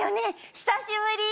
久しぶり！